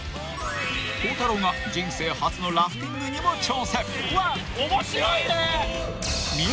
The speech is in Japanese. ［孝太郎が人生初のラフティングにも挑戦］